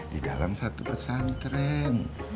di dalam satu pesantren